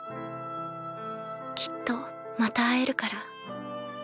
「きっとまた会えるから」。